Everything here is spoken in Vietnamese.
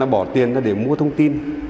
bỏ tiền để mua thông tin